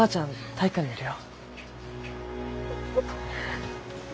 体育館にいるよ。